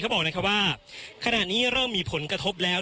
เขาบอกนะครับว่าขณะนี้เริ่มมีผลกระทบแล้ว